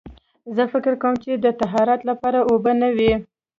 زه داسې فکر کوم چې طهارت لپاره اوبه نه وي.